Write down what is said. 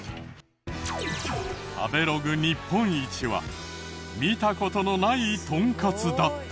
食べログ日本一は見た事のないトンカツだった。